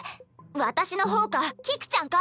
私の方か菊ちゃんか。